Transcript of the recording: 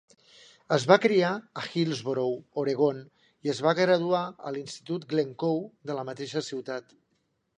Es va criar a Hillsboro, Oregon, i es va graduar a l'Institut Glencoe de la mateixa ciutat.